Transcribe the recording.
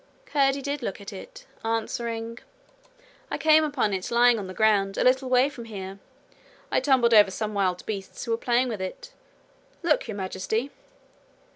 Curdie did look at it, answering: 'I came upon it lying on the ground a little way from here. I tumbled over some wild beasts who were playing with it. Look, Your Majesty.'